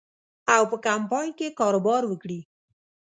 او په کمپاین کې کاروبار وکړي.